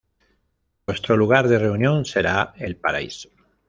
Vuestro lugar de reunión será el Paraíso.